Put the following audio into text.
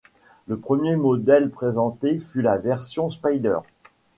Le premier modèle présenté fut la version spyder.